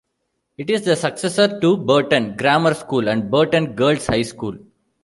It is the successor to Burton Grammar School and Burton Girls' High School.